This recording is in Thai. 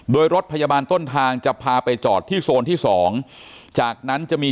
โดยรถพยาบาลต้นทางจะพาไปจอดที่โซนที่สองจากนั้นจะมี